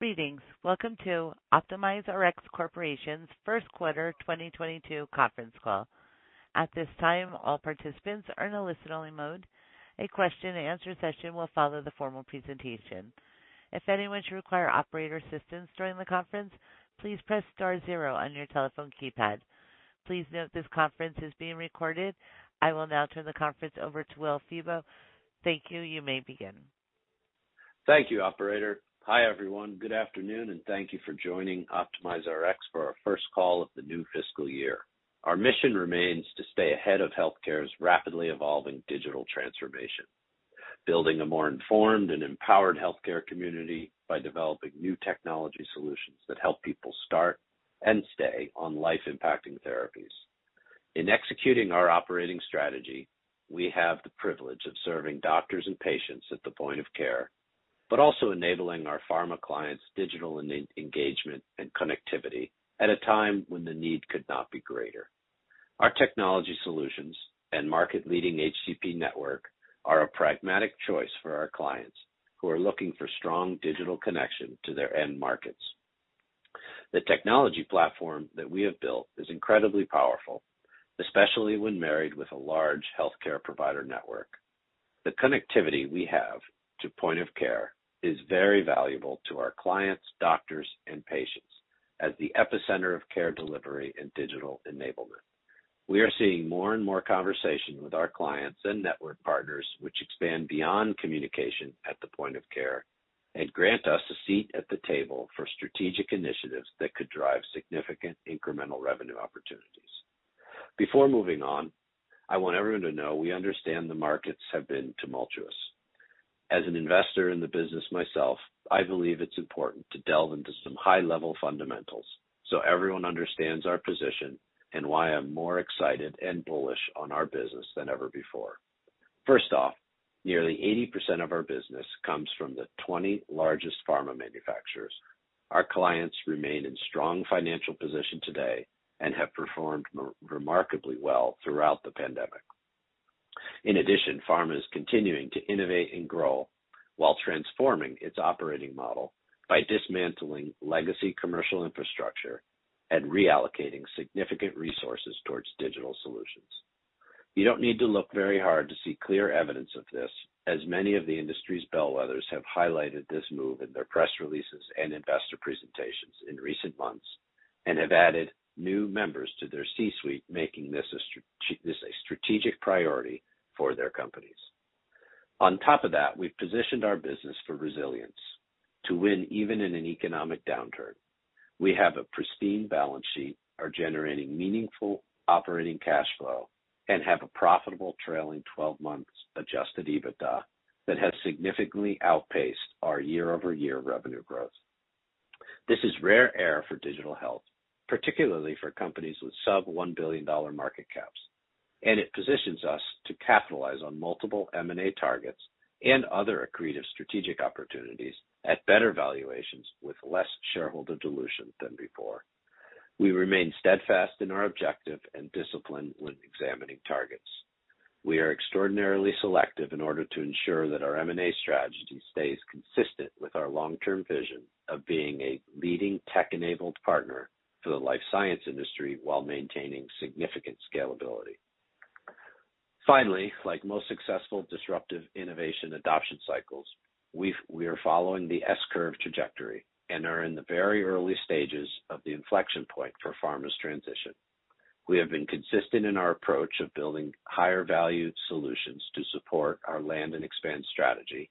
Greetings. Welcome to OptimizeRx Corporation's First Quarter 2022 Conference Call. At this time, all participants are in a listen only mode. A question and answer session will follow the formal presentation. If anyone should require operator assistance during the conference, please press star zero on your telephone keypad. Please note this conference is being recorded. I will now turn the conference over to William Febbo. Thank you. You may begin. Thank you, operator. Hi, everyone. Good afternoon, and thank you for joining OptimizeRx for our first call of the new fiscal year. Our mission remains to stay ahead of healthcare's rapidly evolving digital transformation, building a more informed and empowered healthcare community by developing new technology solutions that help people start and stay on life impacting therapies. In executing our operating strategy, we have the privilege of serving doctors and patients at the point of care, but also enabling our pharma clients' digital engagement and connectivity at a time when the need could not be greater. Our technology solutions and market-leading HCP network are a pragmatic choice for our clients who are looking for strong digital connection to their end markets. The technology platform that we have built is incredibly powerful, especially when married with a large healthcare provider network. The connectivity we have to point of care is very valuable to our clients, doctors and patients as the epicenter of care delivery and digital enablement. We are seeing more and more conversation with our clients and network partners which expand beyond communication at the point of care and grant us a seat at the table for strategic initiatives that could drive significant incremental revenue opportunities. Before moving on, I want everyone to know we understand the markets have been tumultuous. As an investor in the business myself, I believe it's important to delve into some high-level fundamentals so everyone understands our position and why I'm more excited and bullish on our business than ever before. First off, nearly 80% of our business comes from the 20 largest pharma manufacturers. Our clients remain in strong financial position today and have performed remarkably well throughout the pandemic. In addition, pharma is continuing to innovate and grow while transforming its operating model by dismantling legacy commercial infrastructure and reallocating significant resources towards digital solutions. You don't need to look very hard to see clear evidence of this as many of the industry's bellwethers have highlighted this move in their press releases and investor presentations in recent months and have added new members to their C-suite, making this a strategic priority for their companies. On top of that, we've positioned our business for resilience to win even in an economic downturn. We have a pristine balance sheet, are generating meaningful operating cash flow, and have a profitable trailing twelve months adjusted EBITDA that has significantly outpaced our year-over-year revenue growth. This is rare air for digital health, particularly for companies with sub $1 billion market caps, and it positions us to capitalize on multiple M&A targets and other accretive strategic opportunities at better valuations with less shareholder dilution than before. We remain steadfast in our objective and discipline when examining targets. We are extraordinarily selective in order to ensure that our M&A strategy stays consistent with our long-term vision of being a leading tech-enabled partner for the life science industry while maintaining significant scalability. Finally, like most successful disruptive innovation adoption cycles, we are following the S-curve trajectory and are in the very early stages of the inflection point for pharma's transition. We have been consistent in our approach of building higher value solutions to support our land and expand strategy.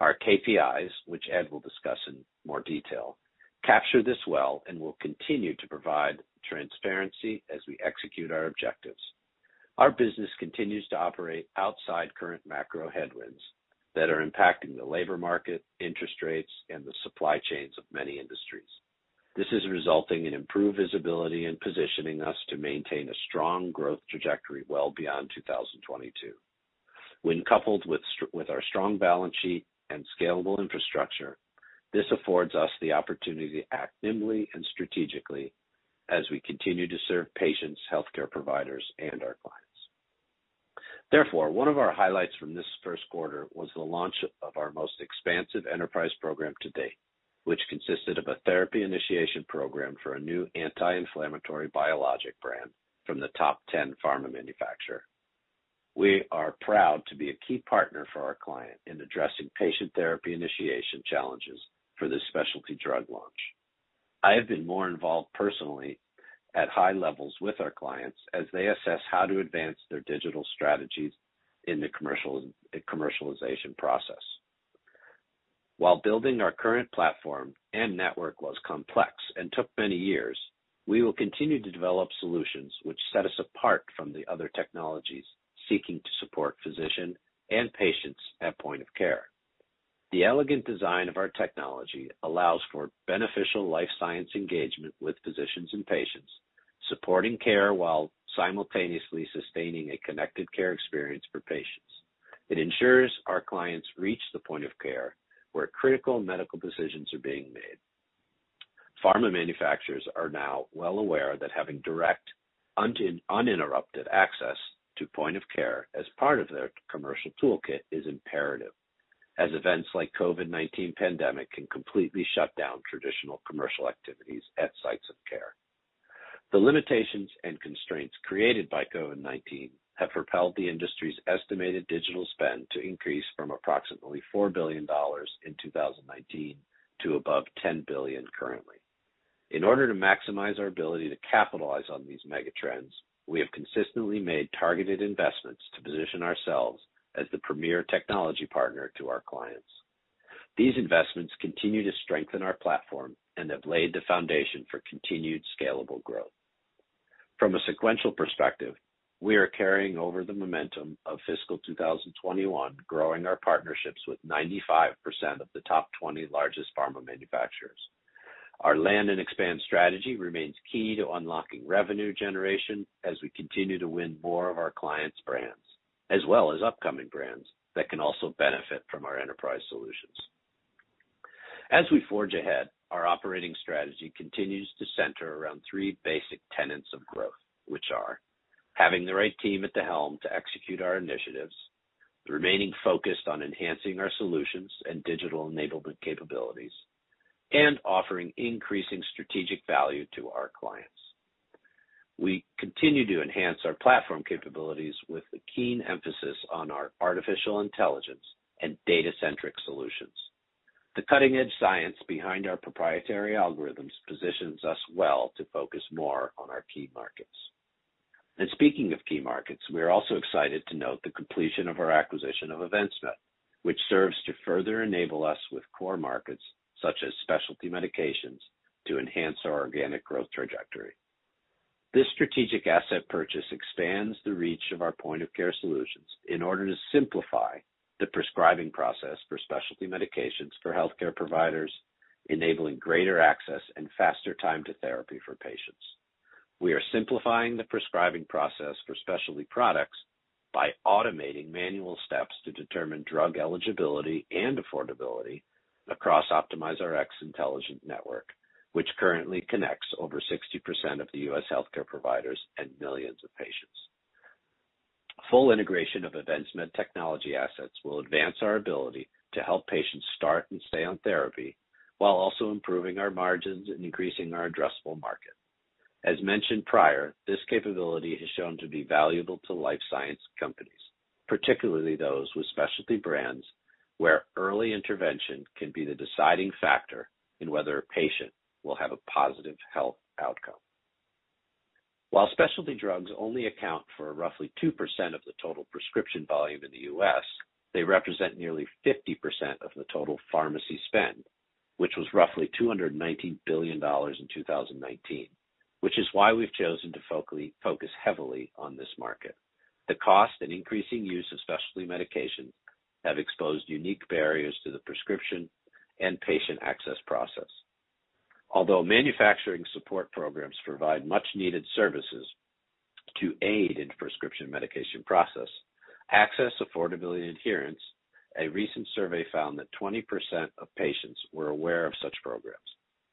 Our KPIs, which Ed will discuss in more detail, capture this well and will continue to provide transparency as we execute our objectives. Our business continues to operate outside current macro headwinds that are impacting the labor market, interest rates, and the supply chains of many industries. This is resulting in improved visibility and positioning us to maintain a strong growth trajectory well beyond 2022. When coupled with our strong balance sheet and scalable infrastructure, this affords us the opportunity to act nimbly and strategically as we continue to serve patients, healthcare providers, and our clients. Therefore, one of our highlights from this first quarter was the launch of our most expansive enterprise program to date, which consisted of a therapy initiation program for a new anti-inflammatory biologic brand from the top ten pharma manufacturer. We are proud to be a key partner for our client in addressing patient therapy initiation challenges for this specialty drug launch. I have been more involved personally at high levels with our clients as they assess how to advance their digital strategies in the commercialization process. While building our current platform and network was complex and took many years, we will continue to develop solutions which set us apart from the other technologies seeking to support physician and patients at point of care. The elegant design of our technology allows for beneficial life science engagement with physicians and patients, supporting care while simultaneously sustaining a connected care experience for patients. It ensures our clients reach the point of care where critical medical decisions are being made. Pharma manufacturers are now well aware that having direct, uninterrupted access to point of care as part of their commercial toolkit is imperative, as events like COVID-19 pandemic can completely shut down traditional commercial activities at sites of care. The limitations and constraints created by COVID-19 have propelled the industry's estimated digital spend to increase from approximately $4 billion in 2019 to above $10 billion currently. In order to maximize our ability to capitalize on these mega trends, we have consistently made targeted investments to position ourselves as the premier technology partner to our clients. These investments continue to strengthen our platform and have laid the foundation for continued scalable growth. From a sequential perspective, we are carrying over the momentum of fiscal 2021, growing our partnerships with 95% of the top 20 largest pharma manufacturers. Our land and expand strategy remains key to unlocking revenue generation as we continue to win more of our clients' brands, as well as upcoming brands that can also benefit from our enterprise solutions. As we forge ahead, our operating strategy continues to center around three basic tenets of growth, which are having the right team at the helm to execute our initiatives, remaining focused on enhancing our solutions and digital enablement capabilities, and offering increasing strategic value to our clients. We continue to enhance our platform capabilities with a keen emphasis on our artificial intelligence and data-centric solutions. The cutting edge science behind our proprietary algorithms positions us well to focus more on our key markets. Speaking of key markets, we are also excited to note the completion of our acquisition of EvinceMed, which serves to further enable us with core markets such as specialty medications to enhance our organic growth trajectory. This strategic asset purchase expands the reach of our point of care solutions in order to simplify the prescribing process for specialty medications for healthcare providers, enabling greater access and faster time to therapy for patients. We are simplifying the prescribing process for specialty products by automating manual steps to determine drug eligibility and affordability across OptimizeRx intelligent network, which currently connects over 60% of the U.S. healthcare providers and millions of patients. Full integration of EvinceMed technology assets will advance our ability to help patients start and stay on therapy while also improving our margins and increasing our addressable market. As mentioned prior, this capability has shown to be valuable to life science companies, particularly those with specialty brands where early intervention can be the deciding factor in whether a patient will have a positive health outcome. While specialty drugs only account for roughly 2% of the total prescription volume in the U.S., they represent nearly 50% of the total pharmacy spend, which was roughly $219 billion in 2019. Which is why we've chosen to focus heavily on this market. The cost and increasing use of specialty medications have exposed unique barriers to the prescription and patient access process. Although manufacturing support programs provide much needed services to aid in prescription medication process, access, affordability, adherence, a recent survey found that 20% of patients were aware of such programs.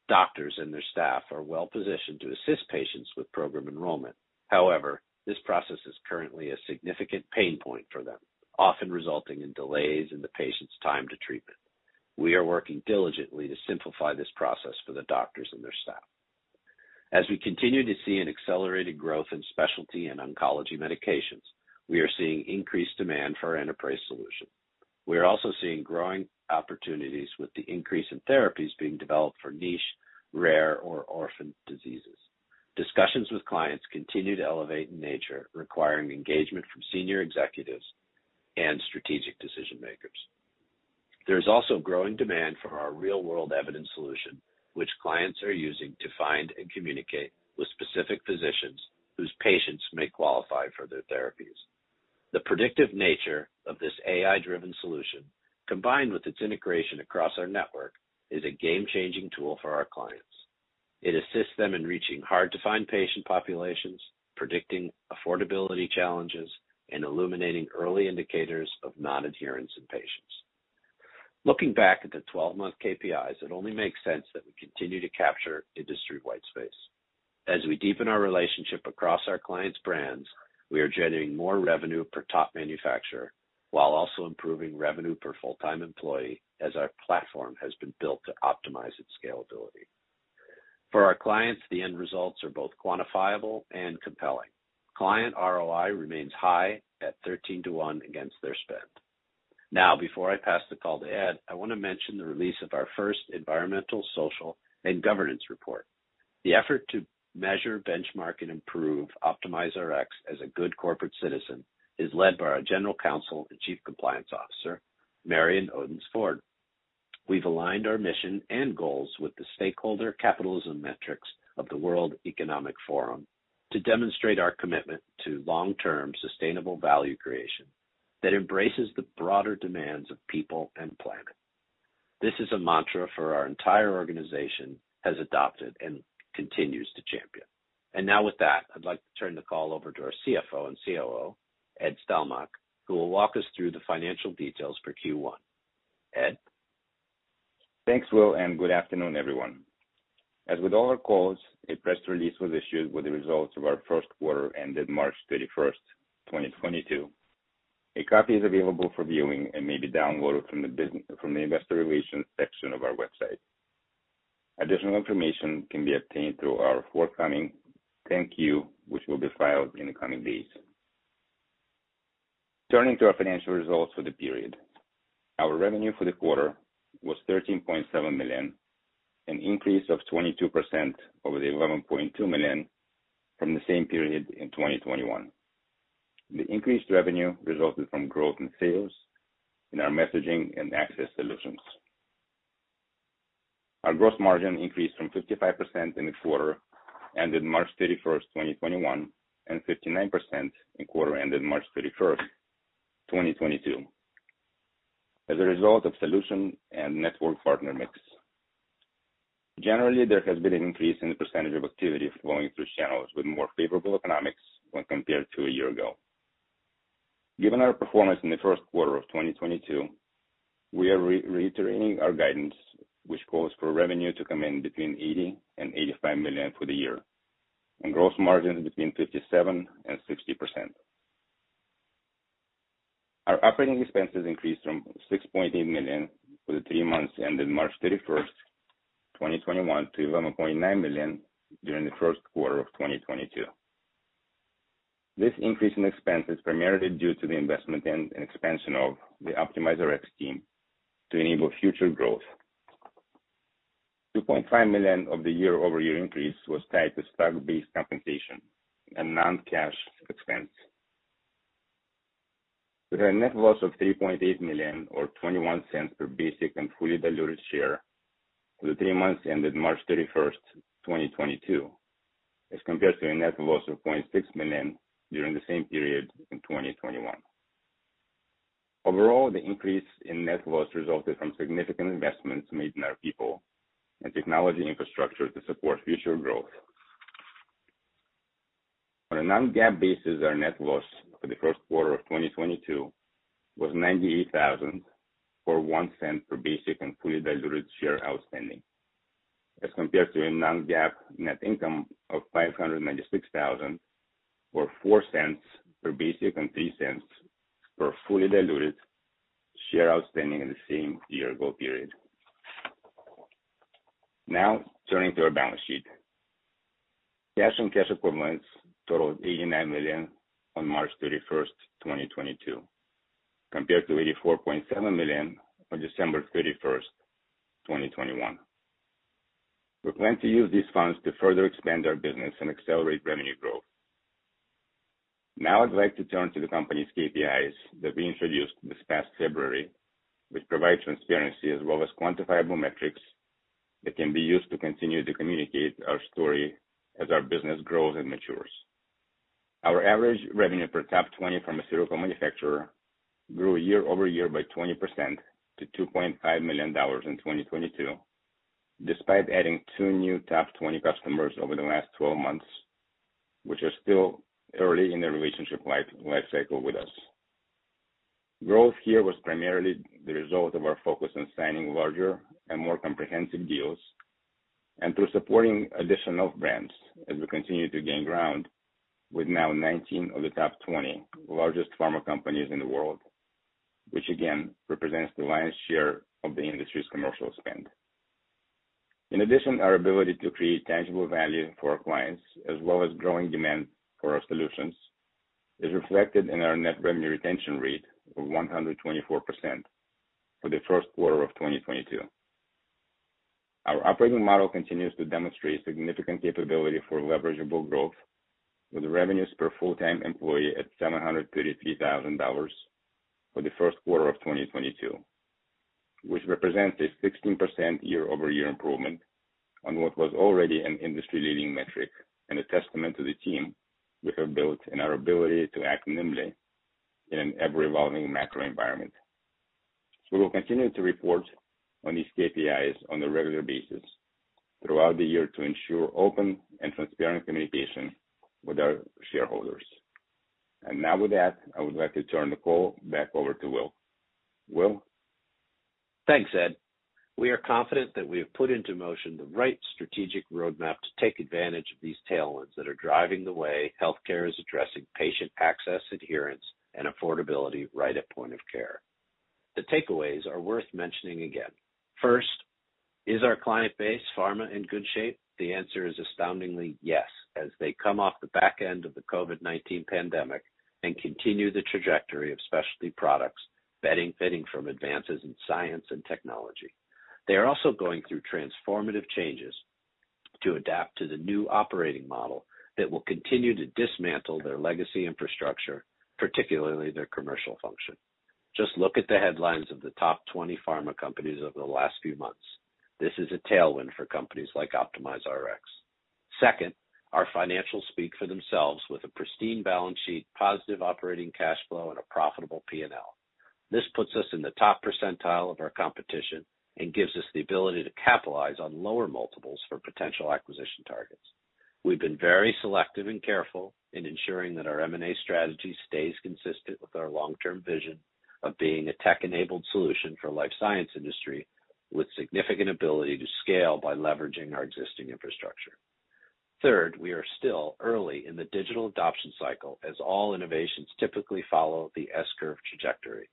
Doctors and their staff are well positioned to assist patients with program enrollment. However, this process is currently a significant pain point for them, often resulting in delays in the patient's time to treatment. We are working diligently to simplify this process for the doctors and their staff. As we continue to see an accelerated growth in specialty and oncology medications, we are seeing increased demand for our enterprise solution. We are also seeing growing opportunities with the increase in therapies being developed for niche, rare, or orphan diseases. Discussions with clients continue to elevate in nature, requiring engagement from senior executives and strategic decision-makers. There's also growing demand for our real-world evidence solution, which clients are using to find and communicate with specific physicians whose patients may qualify for their therapies. The predictive nature of this AI-driven solution, combined with its integration across our network, is a game-changing tool for our clients. It assists them in reaching hard-to-find patient populations, predicting affordability challenges, and illuminating early indicators of non-adherence in patients. Looking back at the 12-month KPIs, it only makes sense that we continue to capture industry-wide space. As we deepen our relationship across our clients' brands, we are generating more revenue per top manufacturer while also improving revenue per full-time employee as our platform has been built to optimize its scalability. For our clients, the end results are both quantifiable and compelling. Client ROI remains high at 13-to-1 against their spend. Now, before I pass the call to Ed, I wanna mention the release of our first environmental, social, and governance report. The effort to measure, benchmark, and improve OptimizeRx as a good corporate citizen is led by our General Counsel and Chief Compliance Officer, Marion Odence-Ford. We've aligned our mission and goals with the stakeholder capitalism metrics of the World Economic Forum to demonstrate our commitment to long-term sustainable value creation that embraces the broader demands of people and planet. This is a mantra for our entire organization has adopted and continues to champion. Now with that, I'd like to turn the call over to our CFO and COO, Edward Stelmakh, who will walk us through the financial details for Q1. Ed? Thanks, Will, and good afternoon, everyone. As with all our calls, a press release was issued with the results of our first quarter ended March 31st, 2022. A copy is available for viewing and may be downloaded from the investor relations section of our website. Additional information can be obtained through our forthcoming 10-Q, which will be filed in the coming days. Turning to our financial results for the period. Our revenue for the quarter was $13.7 million, an increase of 22% over the $11.2 million from the same period in 2021. The increased revenue resulted from growth in sales in our messaging and access solutions. Our gross margin increased from 55% in the quarter ended March 31st, 2021, and 59% in quarter ended March 31st, 2022, as a result of solution and network partner mix. Generally, there has been an increase in the percentage of activity flowing through channels with more favorable economics when compared to a year ago. Given our performance in the first quarter of 2022, we are reiterating our guidance, which calls for revenue to come in between $80-$85 million for the year and gross margins between 57%-60%. Our operating expenses increased from $6.8 million for the three months ended March 31st, 2021, to $11.9 million during the first quarter of 2022. This increase in expense is primarily due to the investment and expansion of the OptimizeRx team to enable future growth. $2.5 million of the year-over-year increase was tied to stock-based compensation and non-cash expense. With our net loss of $3.8 million or $0.21 per basic and fully diluted share for the three months ended March 31st, 2022, as compared to a net loss of $0.6 million during the same period in 2021. Overall, the increase in net loss resulted from significant investments made in our people and technology infrastructure to support future growth. On a non-GAAP basis, our net loss for the first quarter of 2022 was $98,000 or $0.01 per basic and fully diluted share outstanding, as compared to a non-GAAP net income of $596,000 or $0.04 per basic and $0.03 per fully diluted share outstanding in the same year ago period. Now turning to our balance sheet. Cash and cash equivalents totaled $89 million on March 31st, 2022, compared to $84.7 million on December 31st, 2021. We plan to use these funds to further expand our business and accelerate revenue growth. Now I'd like to turn to the company's KPIs that we introduced this past February, which provide transparency as well as quantifiable metrics that can be used to continue to communicate our story as our business grows and matures. Our average revenue per top 20 pharmaceutical manufacturer grew year-over-year by 20% to $2.5 million in 2022, despite adding two new top 20 customers over the last 12 months, which are still early in their relationship life cycle with us. Growth here was primarily the result of our focus on signing larger and more comprehensive deals, and through supporting additional brands as we continue to gain ground with now 19 of the top 20 largest pharma companies in the world, which again represents the lion's share of the industry's commercial spend. In addition, our ability to create tangible value for our clients, as well as growing demand for our solutions, is reflected in our net revenue retention rate of 124% for the first quarter of 2022. Our operating model continues to demonstrate significant capability for leverageable growth with revenues per full-time employee at $733,000 for the first quarter of 2022, which represents a 16% year-over-year improvement on what was already an industry-leading metric and a testament to the team we have built and our ability to act nimbly in an ever-evolving macro environment. We'll continue to report on these KPIs on a regular basis throughout the year to ensure open and transparent communication with our shareholders. Now with that, I would like to turn the call back over to Will. Will? Thanks, Ed. We are confident that we have put into motion the right strategic roadmap to take advantage of these tailwinds that are driving the way healthcare is addressing patient access, adherence, and affordability right at point of care. The takeaways are worth mentioning again. First, is our client base pharma in good shape? The answer is astoundingly yes, as they come off the back end of the COVID-19 pandemic and continue the trajectory of specialty products, benefiting from advances in science and technology. They are also going through transformative changes to adapt to the new operating model that will continue to dismantle their legacy infrastructure, particularly their commercial function. Just look at the headlines of the top 20 pharma companies over the last few months. This is a tailwind for companies like OptimizeRx. Second, our financials speak for themselves with a pristine balance sheet, positive operating cash flow, and a profitable P&L. This puts us in the top percentile of our competition and gives us the ability to capitalize on lower multiples for potential acquisition targets. We've been very selective and careful in ensuring that our M&A strategy stays consistent with our long-term vision of being a tech-enabled solution for life science industry with significant ability to scale by leveraging our existing infrastructure. Third, we are still early in the digital adoption cycle, as all innovations typically follow the S-curve trajectory.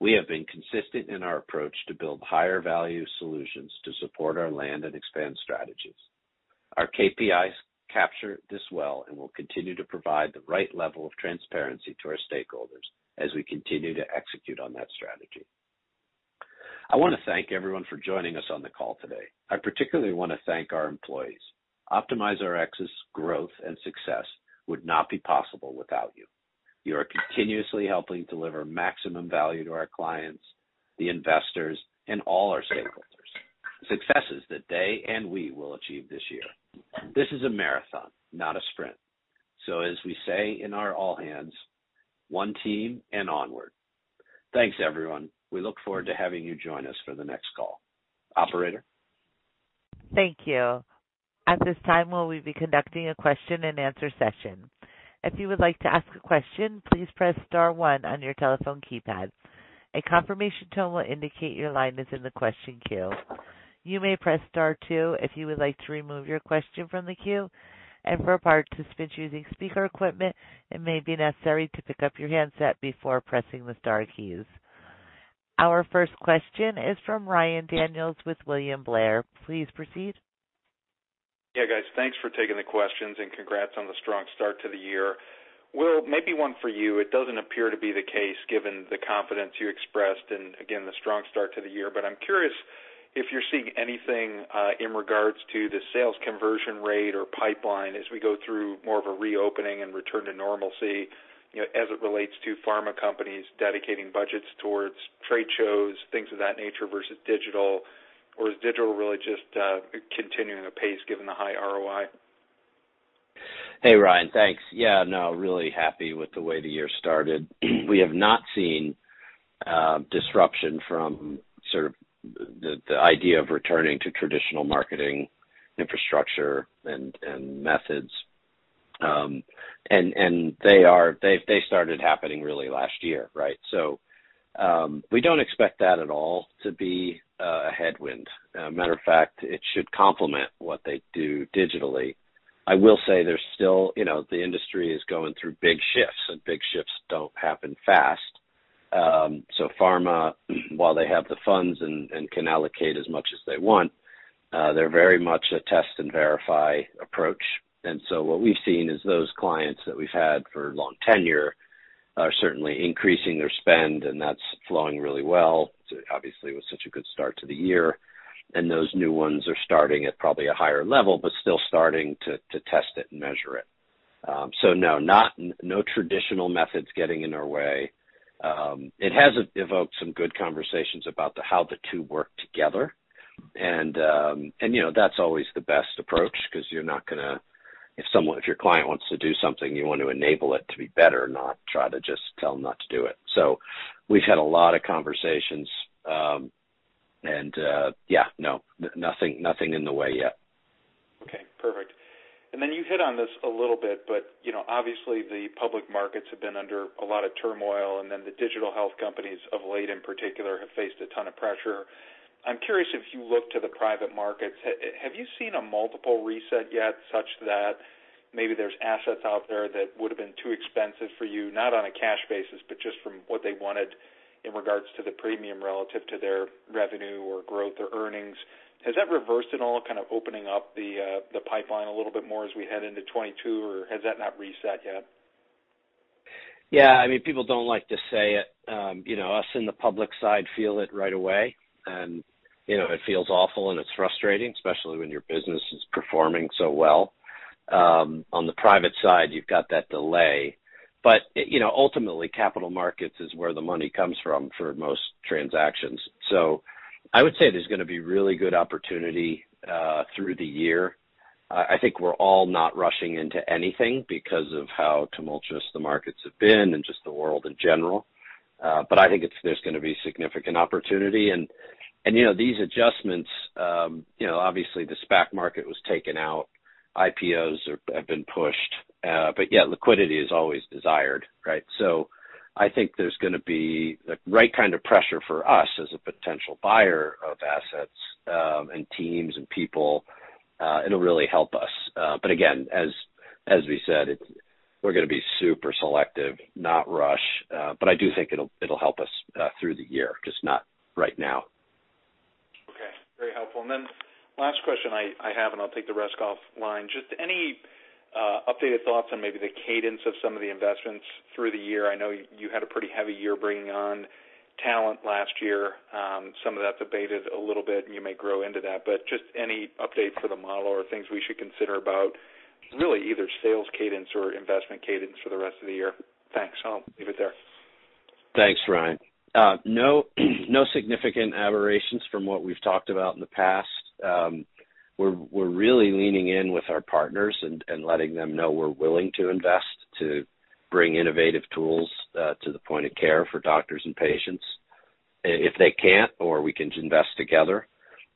We have been consistent in our approach to build higher value solutions to support our land and expand strategies. Our KPIs capture this well and will continue to provide the right level of transparency to our stakeholders as we continue to execute on that strategy. I want to thank everyone for joining us on the call today. I particularly want to thank our employees. OptimizeRx's growth and success would not be possible without you. You are continuously helping deliver maximum value to our clients, the investors, and all our stakeholders. Successes that they and we will achieve this year. This is a marathon, not a sprint. As we say in our all hands, one team and onward. Thanks, everyone. We look forward to having you join us for the next call. Operator? Thank you. At this time, we will be conducting a question-and-answer session. If you would like to ask a question, please press star one on your telephone keypad. A confirmation tone will indicate your line is in the question queue. You may press star two if you would like to remove your question from the queue. For participants using speaker equipment, it may be necessary to pick up your handset before pressing the star keys. Our first question is from Ryan Daniels with William Blair. Please proceed. Yeah, guys. Thanks for taking the questions and congrats on the strong start to the year. Will, maybe one for you. It doesn't appear to be the case given the confidence you expressed and again, the strong start to the year. I'm curious if you're seeing anything in regards to the sales conversion rate or pipeline as we go through more of a reopening and return to normalcy, you know, as it relates to pharma companies dedicating budgets towards trade shows, things of that nature versus digital. Or is digital really just continuing the pace given the high ROI? Hey, Ryan. Thanks. Yeah, no, really happy with the way the year started. We have not seen disruption from sort of the idea of returning to traditional marketing infrastructure and methods. They started happening really last year, right? We don't expect that at all to be a headwind. As a matter of fact, it should complement what they do digitally. I will say there's still, you know, the industry is going through big shifts, and big shifts don't happen fast. Pharma, while they have the funds and can allocate as much as they want, they're very much a test and verify approach. What we've seen is those clients that we've had for long tenure are certainly increasing their spend, and that's flowing really well. Obviously, it was such a good start to the year. Those new ones are starting at probably a higher level, but still starting to test it and measure it. No traditional methods getting in our way. It has evoked some good conversations about how the two work together. You know, that's always the best approach because you're not gonna. If your client wants to do something, you want to enable it to be better, not try to just tell them not to do it. We've had a lot of conversations. Yeah, no, nothing in the way yet. Okay, perfect. Then you hit on this a little bit, but, you know, obviously the public markets have been under a lot of turmoil, and then the digital health companies of late in particular have faced a ton of pressure. I'm curious if you look to the private markets, have you seen a multiple reset yet such that maybe there's assets out there that would have been too expensive for you, not on a cash basis, but just from what they wanted in regards to the premium relative to their revenue or growth or earnings? Has that reversed at all, kind of opening up the pipeline a little bit more as we head into 2022, or has that not reset yet? Yeah. I mean, people don't like to say it. You know, us in the public side feel it right away. You know, it feels awful and it's frustrating, especially when your business is performing so well. On the private side, you've got that delay. You know, ultimately, capital markets is where the money comes from for most transactions. I would say there's gonna be really good opportunity through the year. I think we're all not rushing into anything because of how tumultuous the markets have been and just the world in general. I think there's gonna be significant opportunity. And you know, these adjustments, you know, obviously the SPAC market was taken out. IPOs have been pushed. Yet liquidity is always desired, right? I think there's gonna be the right kind of pressure for us as a potential buyer of assets, and teams and people. It'll really help us. Again, as we said, we're gonna be super selective, not rush. I do think it'll help us through the year, just not right now. Okay. Very helpful. Last question I have, and I'll take the rest offline. Just any updated thoughts on maybe the cadence of some of the investments through the year. I know you had a pretty heavy year bringing on talent last year. Some of that's abated a little bit, and you may grow into that. Just any update for the model or things we should consider about really either sales cadence or investment cadence for the rest of the year. Thanks. I'll leave it there. Thanks, Ryan. No significant aberrations from what we've talked about in the past. We're really leaning in with our partners and letting them know we're willing to invest to bring innovative tools to the point of care for doctors and patients if they can't or we can invest together.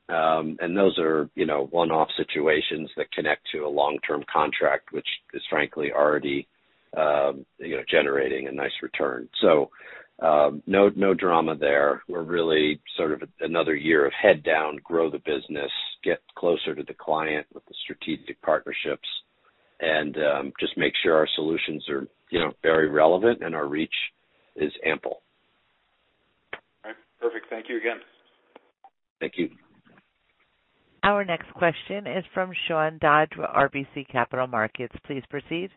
Those are, you know, one-off situations that connect to a long-term contract, which is frankly already generating a nice return. No drama there. We're really sort of another year of head down, grow the business, get closer to the client with the strategic partnerships and just make sure our solutions are, you know, very relevant and our reach is ample. All right. Perfect. Thank you again. Thank you. Our next question is from Sean Dodge with RBC Capital Markets. Please proceed.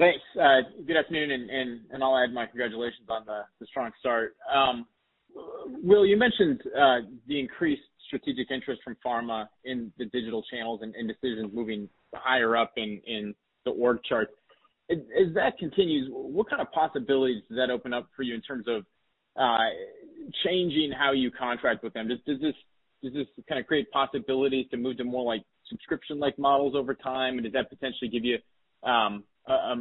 Thanks. Good afternoon, and I'll add my congratulations on the strong start. Will, you mentioned the increased strategic interest from pharma in the digital channels and decisions moving higher up in the org chart. As that continues, what kind of possibilities does that open up for you in terms of changing how you contract with them? Does this kind of create possibilities to move to more like subscription-like models over time? And does that potentially give you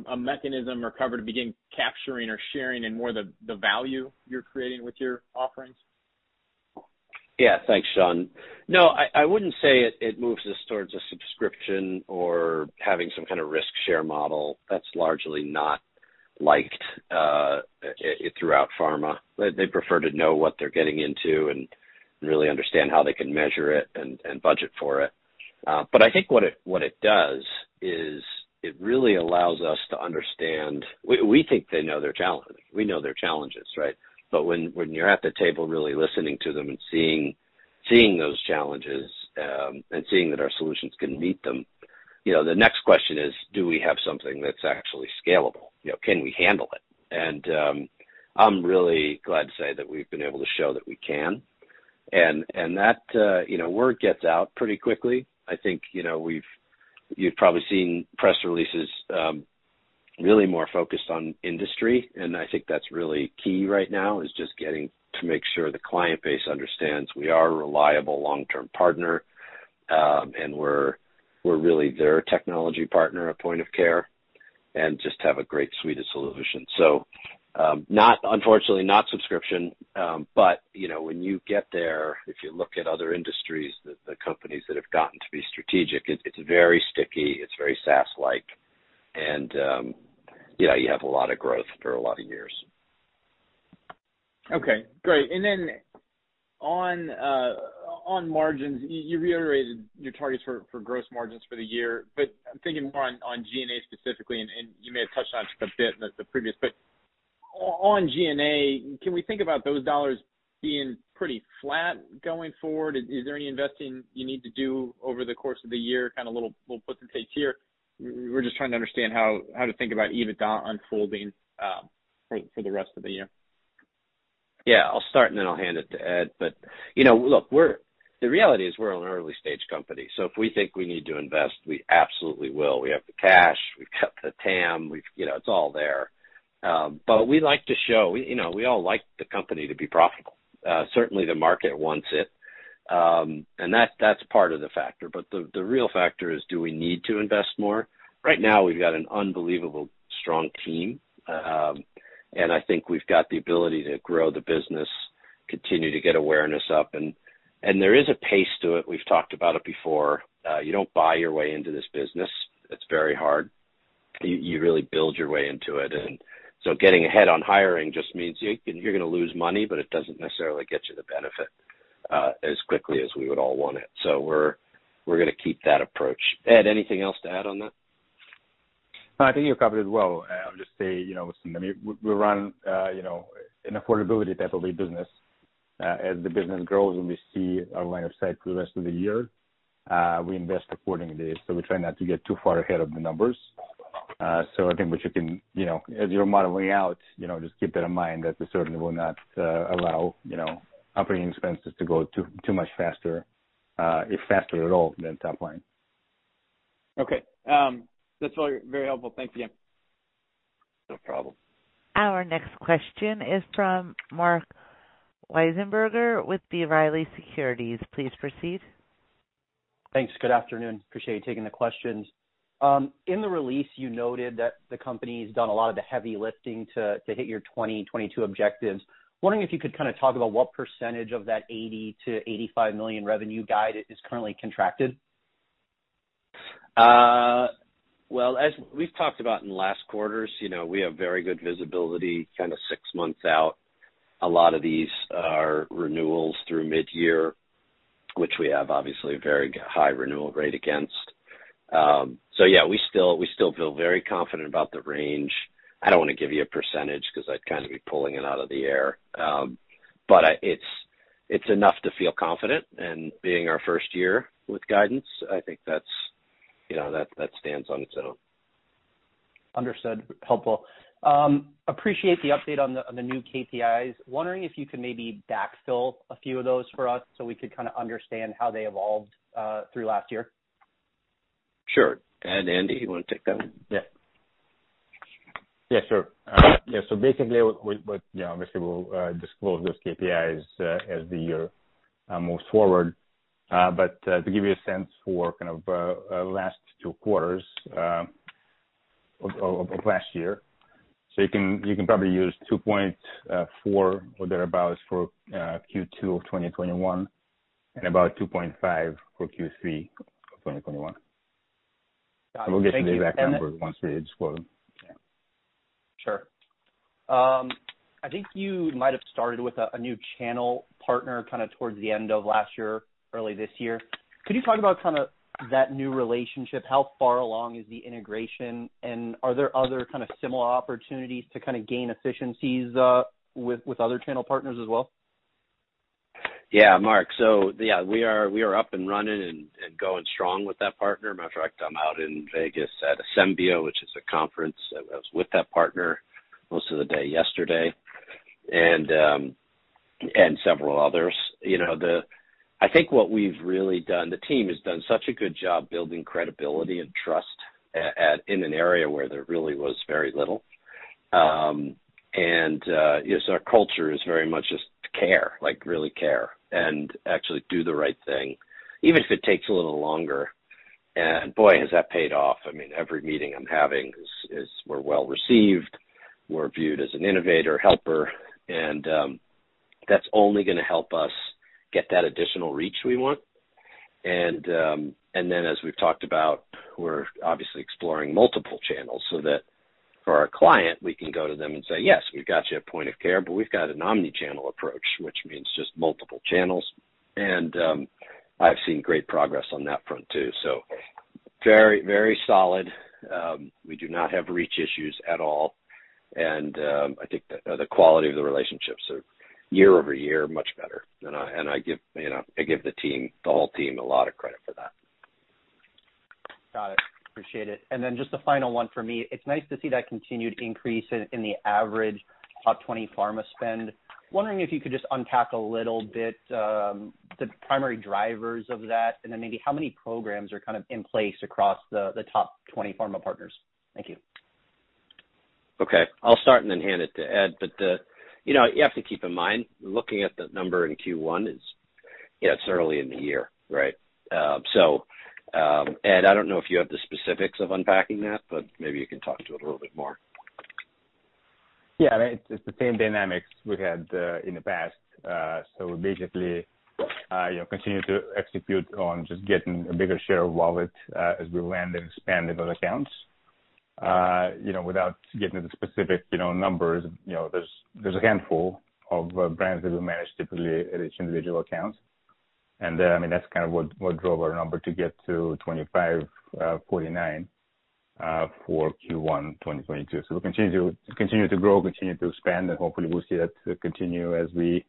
a mechanism or cover to begin capturing or sharing in more the value you're creating with your offerings? Yeah. Thanks, Sean. No, I wouldn't say it moves us towards a subscription or having some kind of risk share model. That's largely not liked throughout pharma. They prefer to know what they're getting into and really understand how they can measure it and budget for it. I think what it does is it really allows us to understand. We think they know their challenge. We know their challenges, right? When you're at the table really listening to them and seeing those challenges and seeing that our solutions can meet them, you know, the next question is, do we have something that's actually scalable? You know, can we handle it? I'm really glad to say that we've been able to show that we can. That, you know, word gets out pretty quickly. I think, you know, you've probably seen press releases, really more focused on industry, and I think that's really key right now, is just getting to make sure the client base understands we are a reliable long-term partner, and we're really their technology partner at point of care and just have a great suite of solutions. Unfortunately, not subscription. You know, when you get there, if you look at other industries, the companies that have gotten to be strategic, it's very sticky, it's very SaaS-like, and you know, you have a lot of growth for a lot of years. Okay. Great. Then on margins, you reiterated your targets for gross margins for the year. I'm thinking more on G&A specifically, and you may have touched on it a bit in the previous. On G&A, can we think about those dollars being pretty flat going forward? Is there any investing you need to do over the course of the year, kind of little puts and takes here? We're just trying to understand how to think about EBITDA unfolding for the rest of the year. Yeah. I'll start, and then I'll hand it to Ed. The reality is we're an early-stage company, so if we think we need to invest, we absolutely will. We have the cash, we've got the TAM. It's all there. We like to show, you know, we all like the company to be profitable. Certainly the market wants it. That's part of the factor. The real factor is do we need to invest more? Right now we've got an unbelievable strong team. I think we've got the ability to grow the business, continue to get awareness up. There is a pace to it. We've talked about it before. You don't buy your way into this business. It's very hard. You really build your way into it. Getting ahead on hiring just means you're gonna lose money, but it doesn't necessarily get you the benefit as quickly as we would all want it. We're gonna keep that approach. Ed, anything else to add on that? No, I think you covered it well. I'll just say, you know, listen, I mean, we run, you know, an affordability type of a business. As the business grows and we see our line of sight for the rest of the year, we invest accordingly. We try not to get too far ahead of the numbers. I think what you can, you know, as you're modeling out, you know, just keep that in mind that we certainly will not, you know, allow operating expenses to go too much faster, if faster at all than top line. Okay. That's all very helpful. Thanks again. No problem. Our next question is from Marc Wiesenberger with B. Riley Securities. Please proceed. Thanks. Good afternoon. Appreciate you taking the questions. In the release, you noted that the company's done a lot of the heavy lifting to hit your 2022 objectives. Wondering if you could kind of talk about what percentage of that $80 million-$85 million revenue guide is currently contracted. Well, as we've talked about in the last quarters, you know, we have very good visibility kind of six months out. A lot of these are renewals through mid-year, which we have obviously a very high renewal rate against. So yeah, we still feel very confident about the range. I don't wanna give you a percentage 'cause I'd kind of be pulling it out of the air. But it's enough to feel confident. Being our first year with guidance, I think that's, you know, that stands on its own. Understood. Helpful. Appreciate the update on the new KPIs. Wondering if you could maybe backfill a few of those for us so we could kind of understand how they evolved through last year. Sure. Ed, Andy, you wanna take that one? Yeah, sure. Yeah, so basically, but you know, obviously we'll disclose those KPIs as the year moves forward. To give you a sense for kind of last two quarters of last year. You can probably use 2.4% or thereabouts for Q2 of 2021, and about 2.5% for Q3 of 2021. Got it. Thank you, Ed. We'll get to the exact numbers once we disclose them. Yeah. Sure. I think you might have started with a new channel partner kind of towards the end of last year, early this year. Could you talk about kind of that new relationship? How far along is the integration, and are there other kind of similar opportunities to kind of gain efficiencies, with other channel partners as well? Yeah, Mark. Yeah, we are up and running and going strong with that partner. Matter of fact, I'm out in Vegas at Asembia, which is a conference. I was with that partner most of the day yesterday and several others. You know, I think what we've really done, the team has done such a good job building credibility and trust in an area where there really was very little. You know, our culture is very much just care, like really care and actually do the right thing, even if it takes a little longer. Boy, has that paid off. I mean, every meeting I'm having is we're well received. We're viewed as an innovator, helper, and that's only gonna help us get that additional reach we want. As we've talked about, we're obviously exploring multiple channels so that for our client, we can go to them and say, "Yes, we've got you at point of care, but we've got an omni-channel approach," which means just multiple channels. I've seen great progress on that front too. Very, very solid. We do not have reach issues at all. I think the quality of the relationships are year-over-year much better. I give, you know, the team, the whole team a lot of credit for that. Got it. Appreciate it. Just the final one for me. It's nice to see that continued increase in the average top 20 pharma spend. Wondering if you could just unpack a little bit, the primary drivers of that, and then maybe how many programs are kind of in place across the top 20 pharma partners. Thank you. Okay. I'll start and then hand it to Ed. You know, you have to keep in mind, looking at the number in Q1 is, you know, it's early in the year, right? Ed, I don't know if you have the specifics of unpacking that, but maybe you can talk to it a little bit more. Yeah. I mean, it's the same dynamics we had in the past. Basically, you know, continue to execute on just getting a bigger share of wallet as we land and expand in those accounts. You know, without getting into specifics, you know, numbers, you know, there's a handful of brands that we manage typically at each individual account. I mean, that's kind of what drove our number to get to 25.49 for Q1, 2022. We'll continue to grow, continue to expand, and hopefully we'll see that continue as we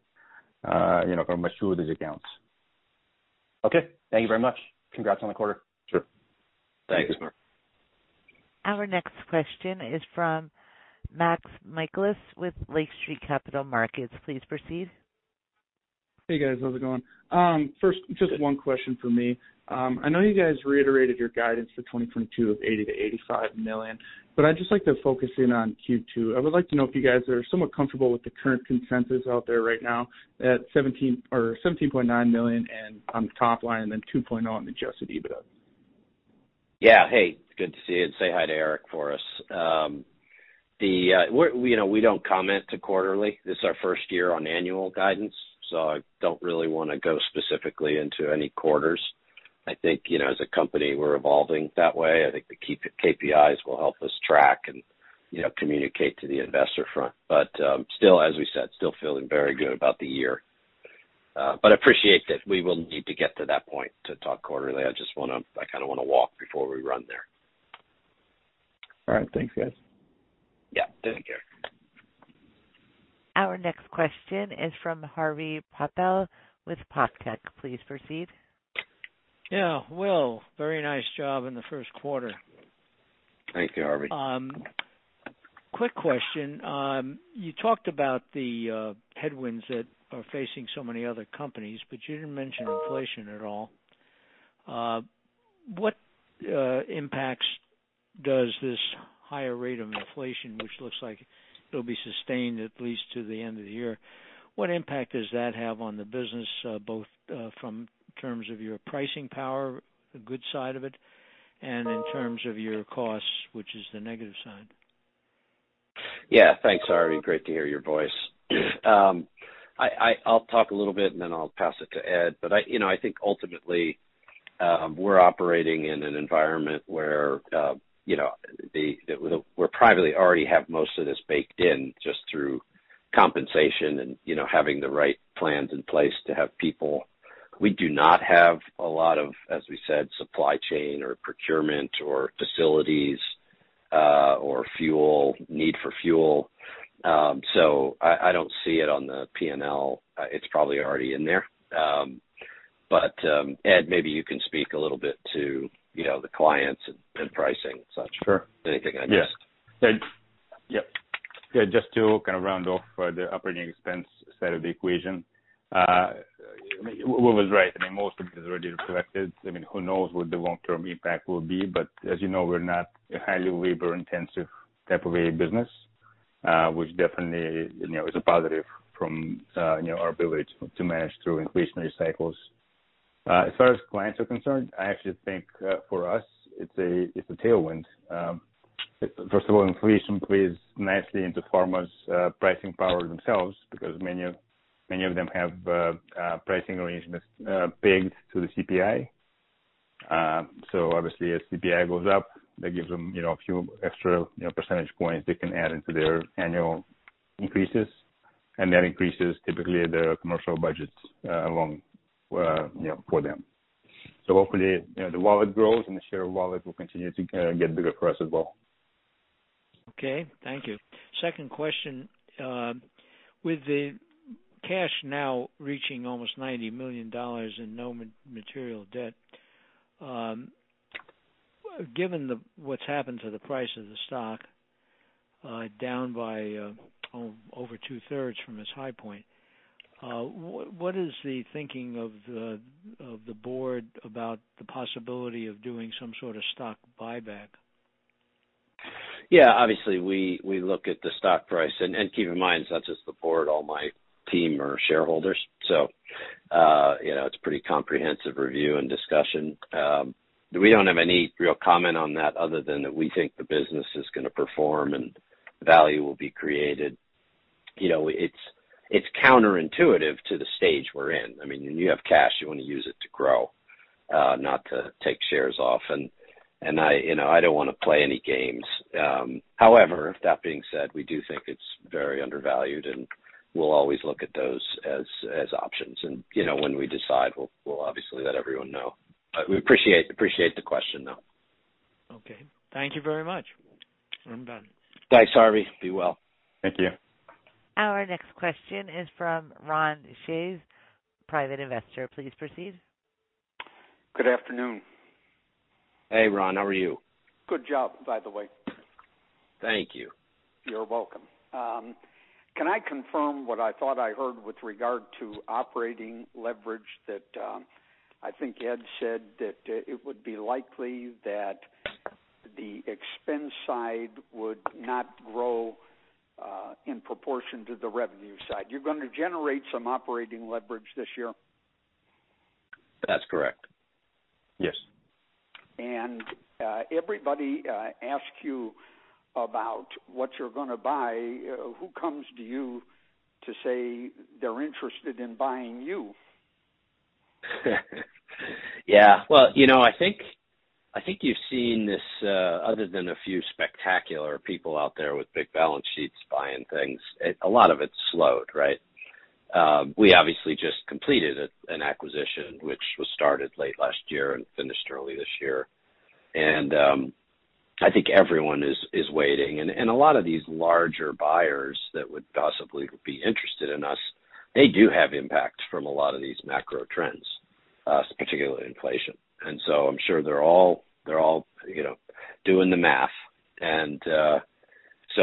you know, kind of mature these accounts. Okay. Thank you very much. Congrats on the quarter. Sure. Thank you. Thanks, Marc. Our next question is from Max Michaelis with Lake Street Capital Markets. Please proceed. Hey, guys. How's it going? First, just one question from me. I know you guys reiterated your guidance for 2022 of $80 million-$85 million, but I'd just like to focus in on Q2. I would like to know if you guys are somewhat comfortable with the current consensus out there right now at $17 million or $17.9 million and on the top line, and then 2.0 adjusted EBITDA? Yeah. Hey, it's good to see you. Say hi to Eric for us. We, you know, we don't comment on quarterly. This is our first year on annual guidance, so I don't really wanna go specifically into any quarters. I think, you know, as a company, we're evolving that way. I think the KPIs will help us track and, you know, communicate to the investor front. Still, as we said, feeling very good about the year. I appreciate that we will need to get to that point to talk quarterly. I kinda wanna walk before we run there. All right. Thanks, guys. Yeah. Take care. Our next question is from Harvey Poppel with PopTech. Please proceed. Yeah. Will, very nice job in the first quarter. Thank you, Harvey. Quick question. You talked about the headwinds that are facing so many other companies, but you didn't mention inflation at all. What impact does this higher rate of inflation, which looks like it'll be sustained at least to the end of the year, have on the business, both in terms of your pricing power, the good side of it, and in terms of your costs, which is the negative side? Yeah. Thanks, Harvey. Great to hear your voice. I'll talk a little bit and then I'll pass it to Ed. You know, I think ultimately we're operating in an environment where you know, we're privately already have most of this baked in just through compensation and you know, having the right plans in place to have people. We do not have a lot of, as we said, supply chain or procurement or facilities, or fuel, need for fuel. I don't see it on the P&L. It's probably already in there. Ed, maybe you can speak a little bit to you know, the clients and pricing and such. Sure. Anything I missed? Yeah, just to kind of round off the operating expense side of the equation. Was right. I mean, most of it is already reflected. I mean, who knows what the long-term impact will be, but as you know, we're not a highly labor intensive type of a business, which definitely, you know, is a positive from our ability to manage through inflationary cycles. As far as clients are concerned, I actually think for us it's a tailwind. First of all, inflation plays nicely into pharma's pricing power themselves because many of them have pricing arrangements pegged to the CPI. Obviously as CPI goes up, that gives them a few extra percentage points they can add into their annual increases. That increases typically their commercial budgets, you know, for them. Hopefully, you know, the wallet grows and the share of wallet will continue to get bigger for us as well. Okay, thank you. Second question. With the cash now reaching almost $90 million and no material debt, given what's happened to the price of the stock, down by over two-thirds from its high point, what is the thinking of the board about the possibility of doing some sort of stock buyback? Yeah, obviously we look at the stock price and keep in mind it's not just the board, all my team are shareholders. You know, it's pretty comprehensive review and discussion. We don't have any real comment on that other than that we think the business is gonna perform and value will be created. You know, it's counterintuitive to the stage we're in. I mean, when you have cash, you wanna use it to grow, not to take shares off. I, you know, I don't wanna play any games. However, that being said, we do think it's very undervalued, and we'll always look at those as options. You know, when we decide, we'll obviously let everyone know. We appreciate the question, though. Okay. Thank you very much. I'm done. Thanks, Harvey. Be well. Thank you. Our next question is from Ron Shay, Private Investor. Please proceed. Good afternoon. Hey, Ron. How are you? Good job, by the way. Thank you. You're welcome. Can I confirm what I thought I heard with regard to operating leverage that, I think Ed said that, it would be likely that the expense side would not grow, in proportion to the revenue side. You're gonna generate some operating leverage this year? That's correct. Yes. Everybody asks you about what you're gonna buy. Who comes to you to say they're interested in buying you? Yeah. Well, you know, I think you've seen this, other than a few spectacular people out there with big balance sheets buying things, a lot of it slowed, right? We obviously just completed an acquisition which was started late last year and finished early this year. I think everyone is waiting. A lot of these larger buyers that would possibly be interested in us, they do have impact from a lot of these macro trends, particularly inflation. I'm sure they're all, you know, doing the math.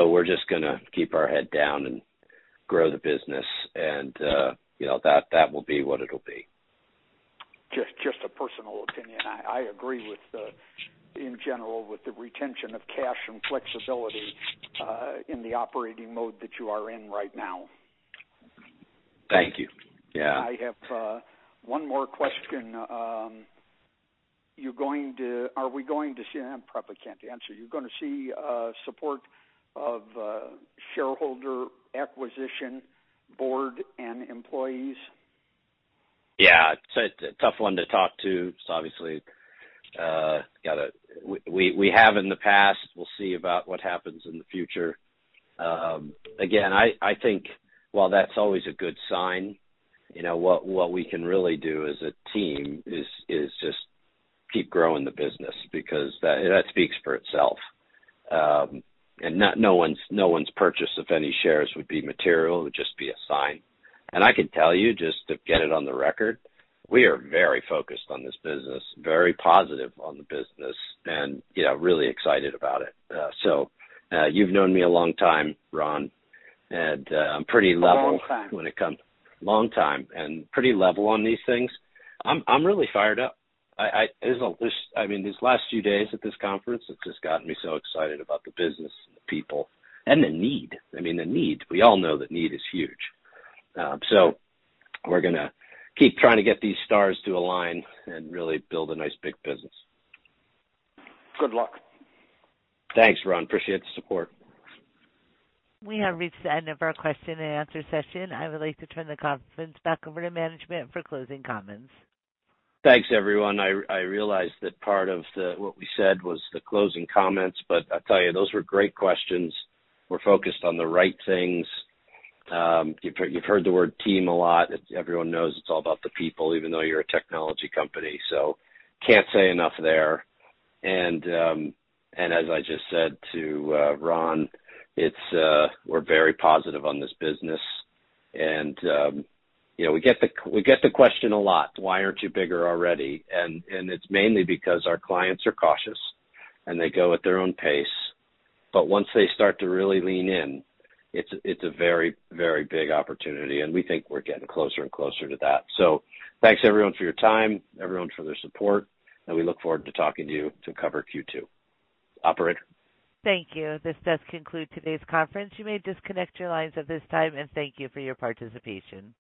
We're just gonna keep our head down and grow the business and, you know, that will be what it'll be. Just a personal opinion. I agree with, in general, with the retention of cash and flexibility in the operating mode that you are in right now. Thank you. Yeah. I have one more question. Are we going to see support of shareholder acquisition board and employees? Probably can't answer. Yeah. It's a tough one to talk to, so obviously, we have in the past. We'll see about what happens in the future. Again, I think while that's always a good sign, you know, what we can really do as a team is just keep growing the business because that speaks for itself. No one's purchase of any shares would be material. It would just be a sign. I can tell you just to get it on the record, we are very focused on this business, very positive on the business and, you know, really excited about it. You've known me a long time, Ron, and I'm pretty level- A long time. Long time, and pretty level on these things. I'm really fired up. This, I mean, these last few days at this conference, it's just gotten me so excited about the business and the people and the need. I mean, the need. We all know that need is huge. So we're gonna keep trying to get these stars to align and really build a nice big business. Good luck. Thanks, Ron. Appreciate the support. We have reached the end of our question and answer session. I would like to turn the conference back over to management for closing comments. Thanks, everyone. I realized that part of what we said was the closing comments, but I tell you, those were great questions. We're focused on the right things. You've heard the word team a lot. Everyone knows it's all about the people, even though you're a technology company, so can't say enough there. As I just said to Ron, it's, we're very positive on this business. You know, we get the question a lot, "Why aren't you bigger already?" It's mainly because our clients are cautious and they go at their own pace, but once they start to really lean in, it's a very, very big opportunity, and we think we're getting closer and closer to that. Thanks everyone for your time, everyone for their support, and we look forward to talking to you to cover Q2. Operator? Thank you. This does conclude today's conference. You may disconnect your lines at this time, and thank you for your participation.